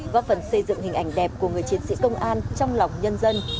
góp phần xây dựng hình ảnh đẹp của người chiến sĩ công an trong lòng nhân dân